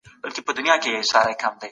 ښه سوداګري هغه ده چې خلکو ته ګټه ورسوي.